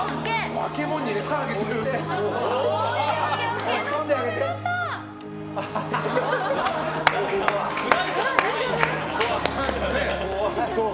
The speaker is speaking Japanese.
化け物に餌あげてるみたい。